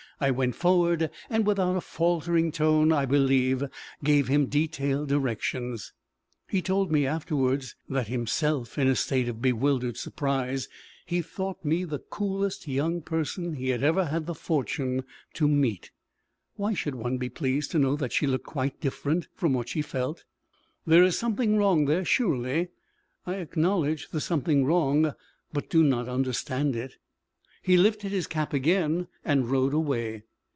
I went forward, and without a faltering tone, I believe, gave him detailed directions. He told me afterwards that, himself in a state of bewildered surprise, he thought me the coolest young person he had ever had the fortune to meet. Why should one be pleased to know that she looked quite different from what she felt? There is something wrong there, surely! I acknowledge the something wrong, but do not understand it. He lifted his cap again, and rode away.